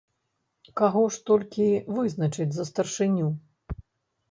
Каго ж толькі вызначыць за старшыню?